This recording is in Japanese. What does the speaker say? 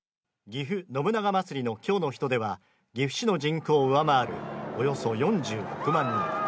ぎふ信長まつりの今日の人出は岐阜市の人口を上回るおよそ４６万人。